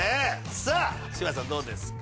さあ柴田さんどうですか？